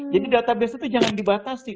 jadi database itu jangan dibatasi